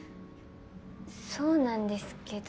そうなんですけど。